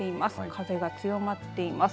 風が強まっています。